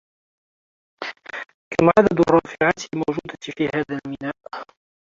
كم عدد الرافعات الموجوده في هذا الميناء؟